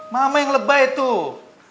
mama yang lebay tuh